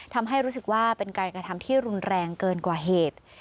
ทำให้รู้สึกว่าเป็นการกระทำที่รุนแรงเกินกว่าเหตุ